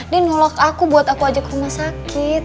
dia nolak aku buat aku aja ke rumah sakit